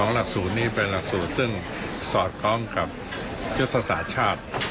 หลักสูตรนี้เป็นหลักสูตรซึ่งสอดคล้องกับยุทธศาสตร์ชาติ